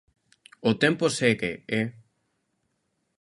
O tempo segue, ¡eh!